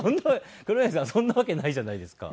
黒柳さんそんなわけないじゃないですか。